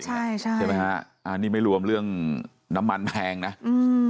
ใช่ใช่ใช่ไหมฮะอ่านี่ไม่รวมเรื่องน้ำมันแพงนะอืม